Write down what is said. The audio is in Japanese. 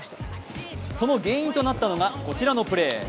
その原因となったのがこちらのプレー。